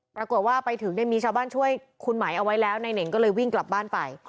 ปรากฏว่าไปถึงเนี่ยมีชาวบ้านช่วยคุณไหมเอาไว้แล้วนายเหน่งก็เลยวิ่งกลับบ้านไป